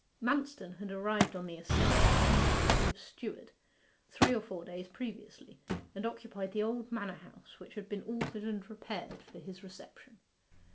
Manston had arrived on the estate, in the capacity of steward, three or four days previously, and occupied the old manor house, which had been altered and repaired for his reception.